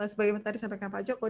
sebagai yang tadi sampaikan pak joko